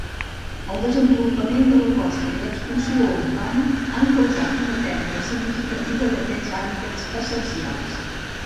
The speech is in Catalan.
El desenvolupament de la costa i l'expansió urbana han causat una pèrdua significativa d'aquests hàbitats essencials.